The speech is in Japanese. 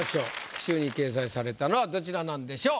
句集に掲載されたのはどちらなんでしょう？